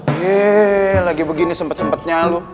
yee lagi begini sempet sempetnya lo